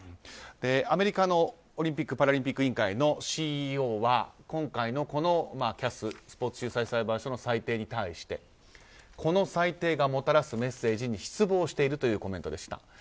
アメリカのオリンピック・パラリンピック委員会のＣＥＯは今回の、このＣＡＳ・スポーツ仲裁裁判所の裁定に対してこの裁定がもたらすメッセージに失望しているというコメントでした。